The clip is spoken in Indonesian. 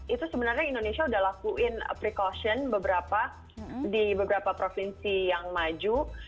itu sebenarnya indonesia udah lakuin precaution beberapa di beberapa provinsi yang maju